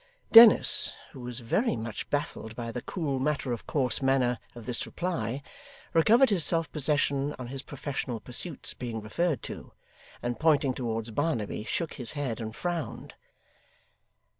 Dennis, who was very much baffled by the cool matter of course manner of this reply, recovered his self possession on his professional pursuits being referred to, and pointing towards Barnaby, shook his head and frowned.